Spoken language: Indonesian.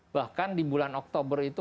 bahkan di bulan oktober itu